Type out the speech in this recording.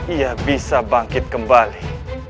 ia bisa bangkit kembali